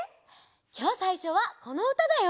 きょうさいしょはこのうただよ。